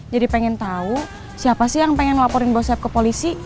jadi pengen tahu siapa sih yang pengen laporin bos saeb ke polisi